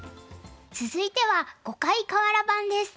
続いては「碁界かわら盤」です。